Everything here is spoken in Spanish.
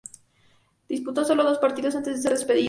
Disputó sólo dos partidos antes de ser despedido.